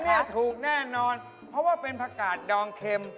เนี่ยถูกแน่นอนเพราะว่าเป็นผักกาดดองเข็ม